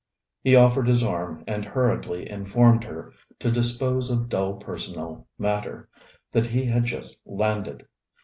He offered his arm and hurriedly informed her, to dispose of dull personal matter, that he had just landed.